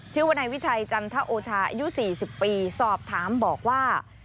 วนายวิชัยจันทโอชาอายุ๔๐ปีสอบถามบอกว่า